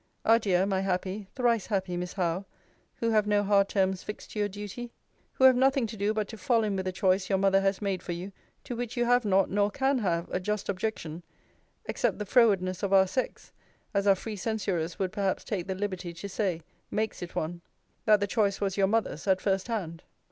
Adieu, my happy, thrice happy Miss Howe, who have no hard terms fixed to your duty! Who have nothing to do, but to fall in with a choice your mother has made for you, to which you have not, nor can have, a just objection: except the frowardness of our sex, as our free censurers would perhaps take the liberty to say, makes it one, that the choice was your mother's, at first hand.